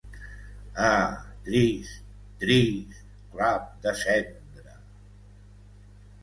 Ah, trist, trist Clap de Cendra!